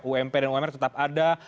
ump dan umr tetap ada